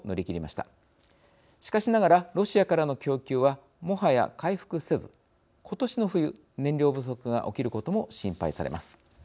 しかしながらロシアからの供給はもはや回復せず今年の冬燃料不足が起きることも心配されます。